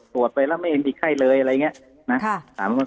ไปแล้วไม่เห็นมีไข้เลยอะไรอย่างนี้นะ